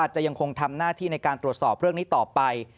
จะยังคงทำหน้าที่ในการตรวจสอบเรื่องนี้ต่อไป